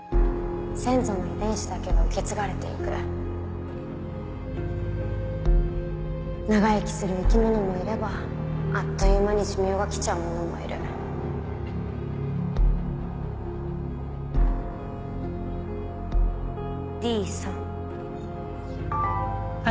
⁉先祖の遺伝子だけが受け継が長生きする生き物もいればあっという間に寿命が来ちゃうものもいるＤ３。